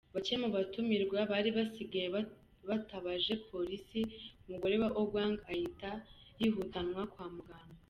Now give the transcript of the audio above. Bake mu batumirwa bari basigaye batabaje polisi, umugore wa Ogwang ahita yihutanwa kwa muganga.